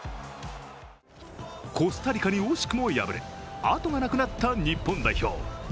コスタリカに惜しくも敗れあとがなくなった日本代表。